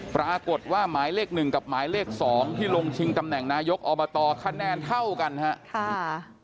ปรากฏว่าหมายเลข๑กับหมายเลข๒ที่ลงชิงตำแหน่งนายกอบตคะแนนเท่ากันครับ